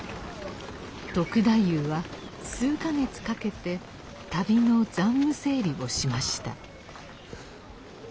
篤太夫は数か月かけて旅の残務整理をしました。